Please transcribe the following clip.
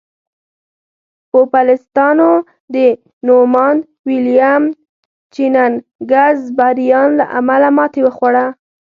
پوپلستانو د نوماند ویلیم جیننګز بریان له امله ماتې وخوړه.